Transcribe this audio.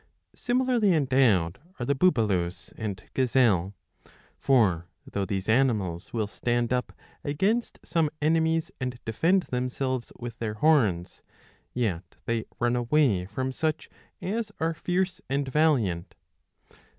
'' Similarly endowed are the Bubalus ^ and gazelle p for though these animals will stand up against some enemies and defend themselves with their horns, yet they run away from such as are fierce and valiant.